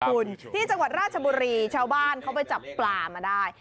คุณที่จังหวัดราชบุรีชาวบ้านเขาไปจับปลามาได้